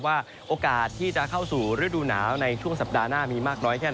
ว่าโอกาสที่จะเข้าสู่ฤดูหนาวในช่วงสัปดาห์หน้ามีมากน้อยแค่ไหน